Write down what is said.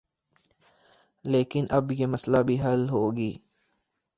لیکن اب یہ مسئلہ بھی حل ہوگی